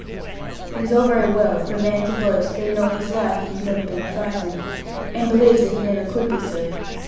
It is all very well for a man to boast that, in all his life, he has never been frightened, and believes that he never could be so.